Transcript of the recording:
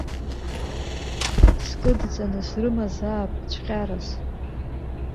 Скыдҵаны срымазаап цәҟьарас.